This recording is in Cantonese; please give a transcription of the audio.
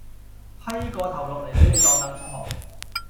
批個頭落嚟俾你當櫈坐